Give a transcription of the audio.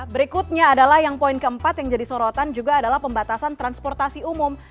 berikutnya adalah yang poin keempat yang jadi sorotan juga adalah pembatasan transportasi umum